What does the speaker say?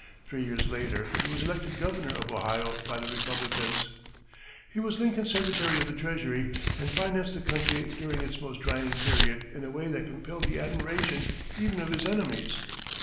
Three years later, he was elected governor of Ohio by the Republicans. He was Lincoln's secretary of the treasury, and financed the country during its most trying period in a way that compelled the admiration even of his enemies.